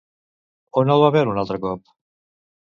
On el va veure un altre cop?